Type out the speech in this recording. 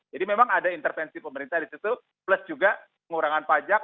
jadi memang ada intervensi pemerintah di situ plus juga pengurangan pajak